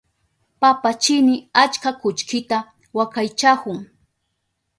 Papachini achka kullkita wakaychahun.